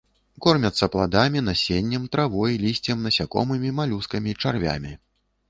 Кормяцца пладамі, насеннем, травой, лісцем, насякомымі, малюскамі, чарвямі.